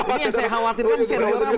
ini yang saya khawatirkan ini dia ramos